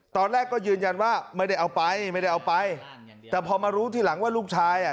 ตอนแรกก็ยืนยันว่าไม่ได้เอาไปไม่ได้เอาไปแต่พอมารู้ทีหลังว่าลูกชายอ่ะ